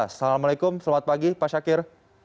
assalamualaikum selamat pagi pak syakir